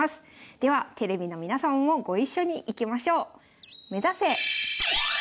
ではテレビの皆様もご一緒にいきましょう！